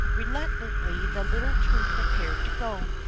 Reluctantly the little troop prepared to go.